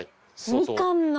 みかんの！